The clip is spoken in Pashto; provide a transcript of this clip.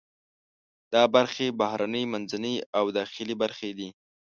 دا برخې بهرنۍ، منځنۍ او داخلي برخې دي.